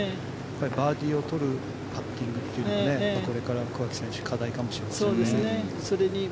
バーディーを取るパッティングというのをこれから桑木選手課題かもしれないですね。